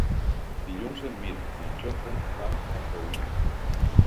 Dilluns en Mirt i en Jofre van a Alfauir.